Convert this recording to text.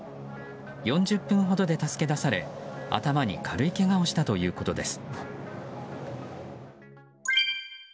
４０分ほどで助け出され、頭に軽いけがをしたということです。